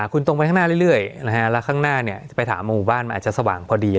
คุณตรงไปข้างหน้าเรื่อยแล้วข้างหน้าจะไปถามหมู่บ้านมันอาจจะสว่างพอดี